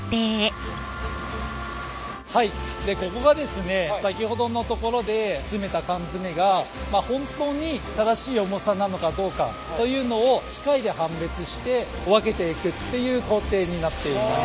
ここがですね先ほどのところで詰めた缶詰が本当に正しい重さなのかどうかというのを機械で判別して分けていくっていう工程になっています。